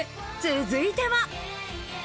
続いては。